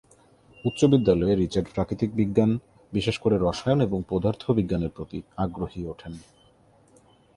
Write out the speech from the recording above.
উচ্চ বিদ্যালয়ে রিচার্ড প্রাকৃতিক বিজ্ঞান, বিশেষ করে রসায়ন এবং পদার্থবিজ্ঞান এর প্রতি আগ্রহী উঠেন।